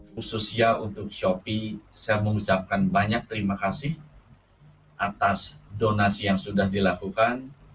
khususnya untuk shopee saya mengucapkan banyak terima kasih atas donasi yang sudah dilakukan